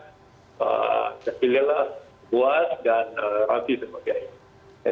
terpilihlah kuat dan rapi dan sebagainya